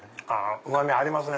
うまみありますね